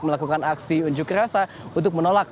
melakukan aksi unjukirasa untuk menolak